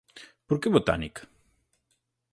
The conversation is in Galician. Por que Botánica?